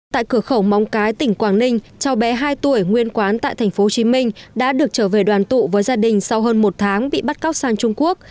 tại cửa khẩu móng cái tỉnh quảng ninh cháu bé hai tuổi nguyên quán tại tp hcm đã được trở về đoàn tụ với gia đình sau hơn một tháng bị bắt cóc sang trung quốc